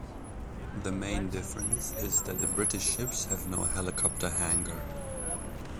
The main difference is that the British ships have no helicopter hangar.